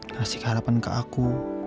ngasih keharapan ke aku